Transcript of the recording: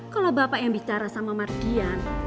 kalau bapak yang bicara sama markian